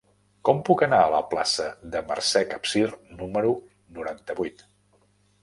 Com puc anar a la plaça de Mercè Capsir número noranta-vuit?